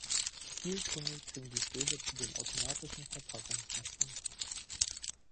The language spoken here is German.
Kühltunnel bringen die Stäbe zu den automatischen Verpackungsmaschinen.